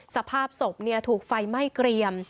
สภาพศพถูกไฟไหม้เกรียม